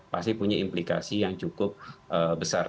pasti punya implikasi yang cukup besar